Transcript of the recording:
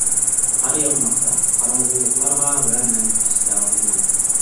قار ياغماقتا قاراڭغۇلۇقلارغا ۋە مەن ئەسلەۋاتىمەن.